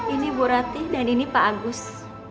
ini bu ratih dan ini pak agus